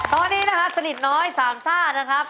ตอนนี้นะครับสนิทน้อยสามซ่านะครับ